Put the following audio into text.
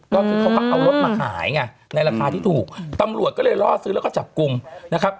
ก็คือเขาก็เอารถมาขายไงในราคาที่ถูกตำรวจก็เลยล่อซื้อแล้วก็จับกลุ่มนะครับ